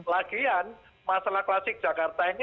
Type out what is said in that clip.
lagian masalah klasik jakarta ini